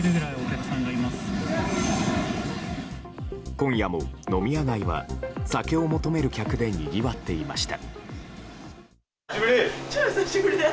今夜も飲み屋街は酒を求める客でにぎわっていました。